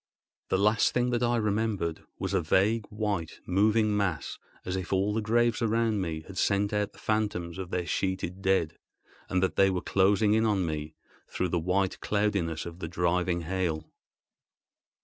The last sight that I remembered was a vague, white, moving mass, as if all the graves around me had sent out the phantoms of their sheeted dead, and that they were closing in on me through the white cloudiness of the driving hail.